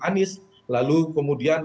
anies lalu kemudian